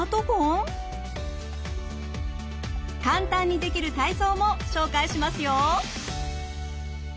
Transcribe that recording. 簡単にできる体操も紹介しますよ。